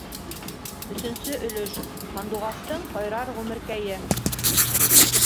Өсөнсө өлөш ҺАНДУҒАСТЫҢ ҺАЙРАР ҒҮМЕРКӘЙЕ